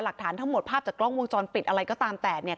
หลักฐานทั้งหมดภาพจากกล้องวงจรปิดอะไรก็ตามแต่เนี่ย